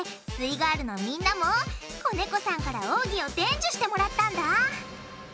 イガールのみんなも小猫さんから奥義を伝授してもらったんだ。